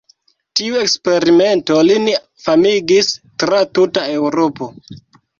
Tiu eksperimento lin famigis tra tuta Eŭropo.